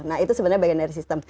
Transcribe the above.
nah itu sebenarnya bagian dari sistem